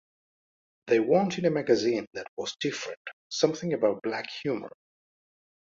They wanted a magazine that was different, something about black humor.